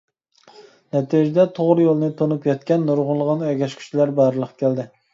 نەتىجىدە توغرا يولنى تونۇپ يەتكەن نۇرغۇنلىغان ئەگەشكۈچىلەر بارلىققا كەلدى.